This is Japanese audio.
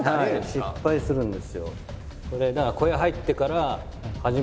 はい失敗するんですよ。